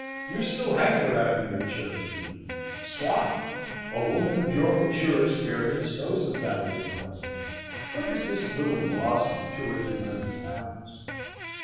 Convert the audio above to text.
You still hanker after your Cherokee. Soit. A woman of your mature experience knows the value of a husband. What is this little loss of two or three hundred pounds?"